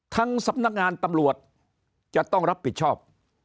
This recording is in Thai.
สำนักงานตำรวจจะต้องรับผิดชอบ